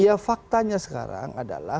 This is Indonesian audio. ya faktanya sekarang adalah